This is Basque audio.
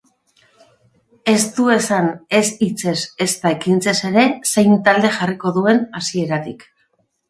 Ez du esan ez hitzez ezta ekintzez ere zein talde jarriko duen hasieratik.